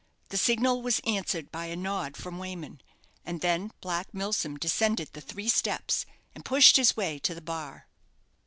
The signal was answered by a nod from Wayman, and then Black Milsom descended the three steps, and pushed his way to the bar.